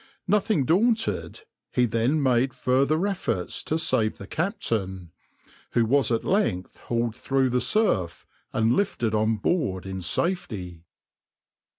Nothing daunted, he then made further efforts to save the captain, who was at length hauled through the surf and lifted on board in safety.